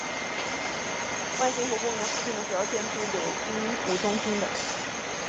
方兴湖公园附近的主要建筑有滨湖中心等。